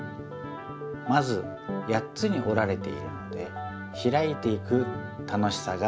まず８つにおられているのでひらいていく楽しさがあります。